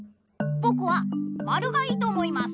ぼくはまるがいいとおもいます。